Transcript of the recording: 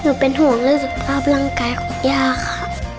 เป็นห่วงเรื่องสุขภาพร่างกายของย่าค่ะ